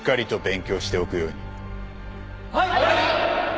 はい。